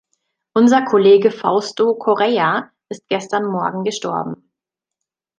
Unser Kollege Fausto Correia ist gestern Morgen gestorben.